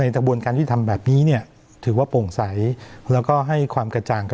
กระบวนการยุติธรรมแบบนี้เนี่ยถือว่าโปร่งใสแล้วก็ให้ความกระจ่างกับ